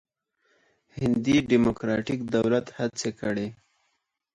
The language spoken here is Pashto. هندي ډموکراتیک دولت هڅې کړې.